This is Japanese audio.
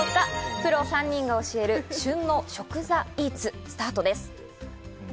プロ３人が教える旬の食材Ｅａｔｓ、スタートです。